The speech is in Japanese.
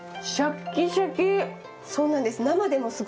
そうなんです。